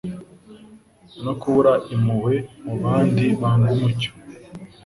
no kubura impuhwe mu bandi banga umucyo.